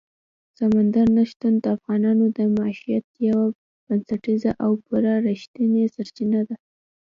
سمندر نه شتون د افغانانو د معیشت یوه بنسټیزه او پوره رښتینې سرچینه ده.